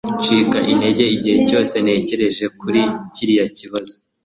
Ncika intege igihe cyose ntekereje kuri kiriya kibazo